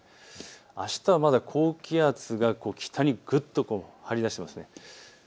あしたはまだ高気圧が北にぐっと張り出しているんです。